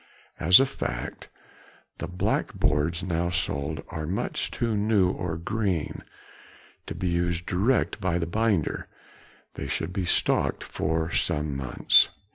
As a fact, the black boards now sold are much too new or green to be used direct by the binder, they should be stocked for some months.